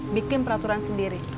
bikin peraturan sendiri